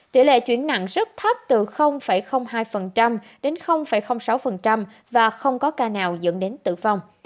tỷ lệ chuyển nặng rất thấp từ hai đến sáu và không có ca nào dẫn đến tử vong